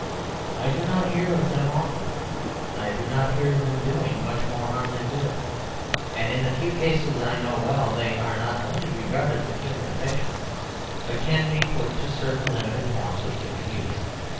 I do not hear of them often; I do not hear of them doing much more harm than good; and in the few cases I know well they are not only regarded with human affection, but can be put to certain limited forms of human use.